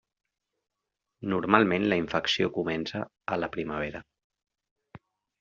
Normalment la infecció comença a la primavera.